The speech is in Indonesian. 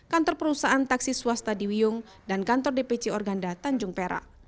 kantor perusahaan taksi swasta di wiyung dan kantor dpc organda tanjung perak